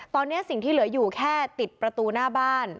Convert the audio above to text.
ตอนนี้สิ่งที่เหลืออยู่แค่ติดประตูหน้าบ้าน